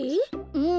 うん。